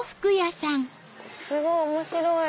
すごい面白い！